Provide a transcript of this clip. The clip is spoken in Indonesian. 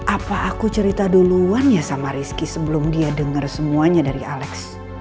apa aku cerita duluan ya sama rizky sebelum dia denger semuanya dari alex